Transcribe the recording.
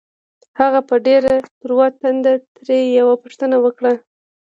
هغه په ډېر تروه تندي ترې يوه پوښتنه وکړه.